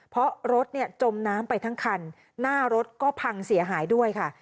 เพราะรถเนี่ยจมน้ำไปทั้งคันหน้ารถก็พังเสียหายด้วยค่ะ